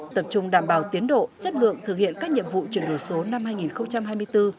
tập trung đảm bảo tiến độ chất lượng thực hiện các nhiệm vụ chuyển đổi số năm hai nghìn hai mươi bốn